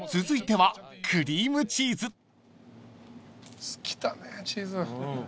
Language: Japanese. ［続いてはクリームチーズ］